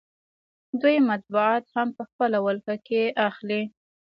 دوی مطبوعات هم په خپله ولکه کې اخلي